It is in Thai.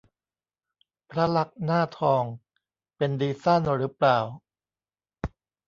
พระลักษมณ์หน้าทอง เป็นดีซ่านหรือเปล่า